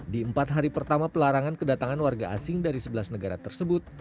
di empat hari pertama pelarangan kedatangan warga asing dari sebelas negara tersebut